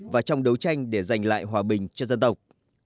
và trong đấu tranh để giành lại hòa bình cho dân tộc